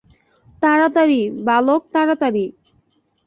তাড়াতাড়ি, বালক, তাড়াতাড়ি।